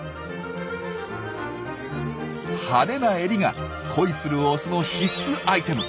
派手なエリが恋するオスの必須アイテム。